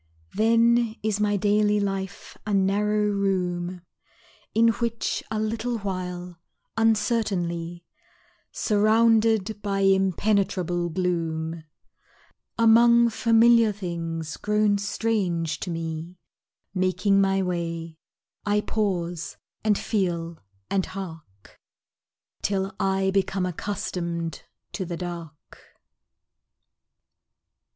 Then is my daily life a narrow room In which a little while, uncertainly, Surrounded by impenetrable gloom, Among familiar things grown strange to me Making my way, I pause, and feel, and hark, Till I become accustomed to the dark.